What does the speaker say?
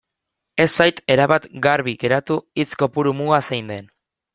Ez zait erabat garbi geratu hitz kopuru muga zein den.